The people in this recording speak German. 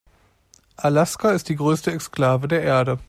Alaska ist die größte Exklave der Erde.